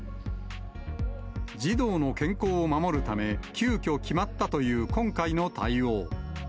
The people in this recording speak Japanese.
児童の健康を守るため、急きょ決まったという今回の対応。